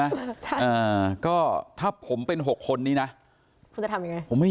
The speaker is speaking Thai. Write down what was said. อ่าใช่อ่าก็ถ้าผมเป็นหกคนนี้นะคุณจะทำยังไงผมไม่